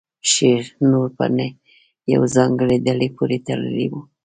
شعر نور په یوې ځانګړې ډلې پورې تړلی نه و